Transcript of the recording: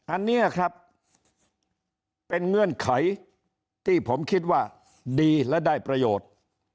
อันนี้ครับเป็นเงื่อนไขที่ผมคิดว่าดีและได้ประโยชน์